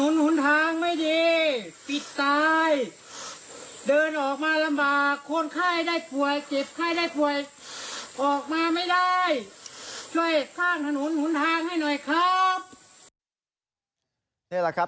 นี่แหละครับ